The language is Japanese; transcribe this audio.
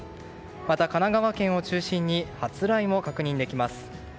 また、神奈川県を中心に発雷も確認できます。